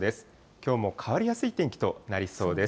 きょうも変わりやすい天気となりそうです。